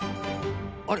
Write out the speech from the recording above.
あれ？